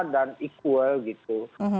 dan equal gitu